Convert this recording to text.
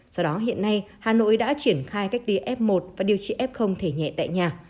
do đó hiện nay hà nội đã triển khai cách ly f một và điều trị f thể nhẹ tại nhà